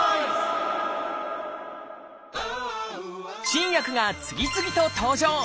新薬が次々と登場！